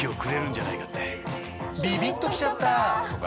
ビビッときちゃった！とか